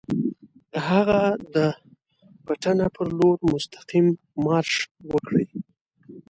هغه د پټنه پر لور مستقیم مارش وکړي.